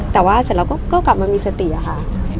แต่ว่าเสร็จแล้วก็กลับมามีสติอะค่ะ